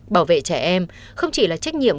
bảo vệ trẻ em không chỉ là trách nhiệm